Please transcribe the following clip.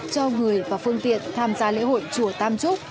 cho người và phương tiện tham gia lễ hội chùa tam trúc